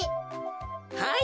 はい。